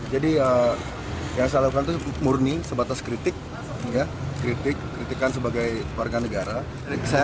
jadi ya yang salah satu murni sebatas kritik kritik kritikan sebagai warga negara saya